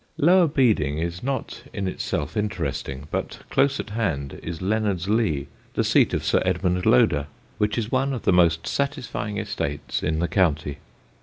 Lower Beeding is not in itself interesting; but close at hand is Leonardslee, the seat of Sir Edmund Loder, which is one of the most satisfying estates in the county.